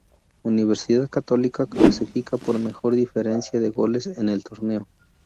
Universidad Católica clasifica por mejor diferencia de goles en el torneo.